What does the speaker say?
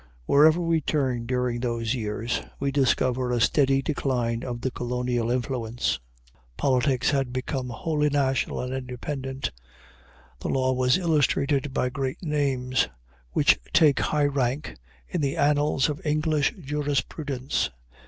Wherever we turn during those years, we discover a steady decline of the colonial influence. Politics had become wholly national and independent. The law was illustrated by great names, which take high rank in the annals of English jurisprudence.